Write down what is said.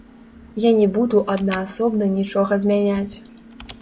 Я не буду аднаасобна нічога змяняць.